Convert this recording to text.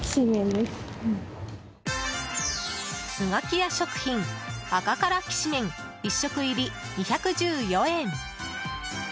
寿がきや食品赤からきしめん１食入り、２１４円。